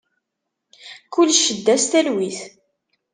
Kul ccedda s talwit.